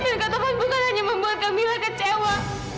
dan ketaufan bukan hanya membuat kamila kecewa